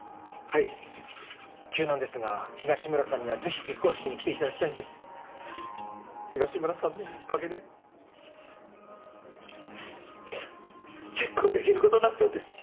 はい急なんですが東村さんには是非結婚式に来ていただきたいんです東村さんのおかげで結婚できることになったんです